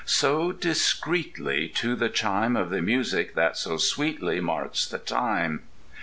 So discreetly, to the chime Of the music that so sweetly Marks the time.